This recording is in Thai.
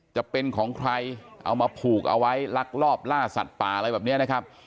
จะเป็นของใครเอามาผูกเอาไว้ลักลอบล่าสัตว์ป่าอะไรแบบนี้นะครับ